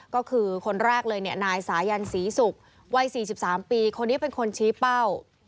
ก็คือคนแรกเลยเนี่ยนายสายันศรีศุกร์วัย๔๓ปีคนนี้เป็นคนชี้เป้า